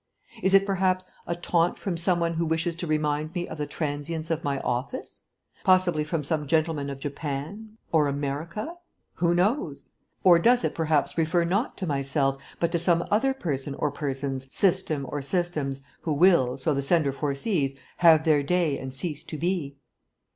Is it, perhaps, a taunt from some one who wishes to remind me of the transience of my office? Possibly from some gentleman of Japan ... or America ... who knows? or does it, perhaps, refer not to myself, but to some other person or persons, system or systems, who will, so the sender foresees, have their day and cease to be?"